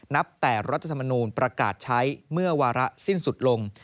นับแต่รัฐธรรมนูลประกาศใช้เมื่อวาระสิ้นสุดลง